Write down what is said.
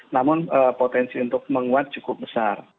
namun potensi untuk menguat cukup besar